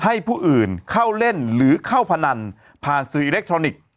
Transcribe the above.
ให้ผู้อื่นเข้าเล่นหรือเข้าพนันผ่านสื่ออิเล็กทรอนิกส์